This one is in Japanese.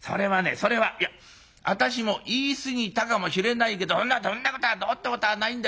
それは私も言い過ぎたかもしれないけどそんなことはどうってことはないんだよ。